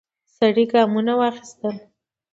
سړی ګامونه واخیستل.